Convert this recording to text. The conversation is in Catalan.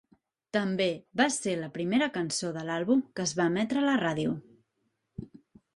També va ser la primera cançó de l'àlbum que es va emetre a la ràdio.